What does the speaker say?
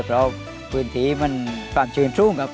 เพราะพื้นที่มันความชื้นสูงครับ